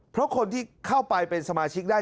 เพราะคนที่เข้าไปเป็นสมาชิกได้